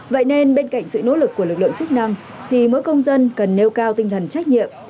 vậy nên bên cạnh sự nỗ lực của lực lượng chức năng thì mỗi công dân cần nêu cao tinh thần trách nhiệm